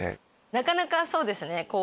なかなかそうですね。